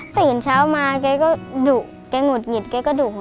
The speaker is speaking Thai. ตื่นเช้ามาเขาก็ดุ